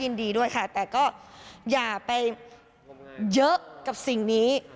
ยินดีด้วยค่ะแต่ก็อย่าไปเยอะกับสิ่งนี้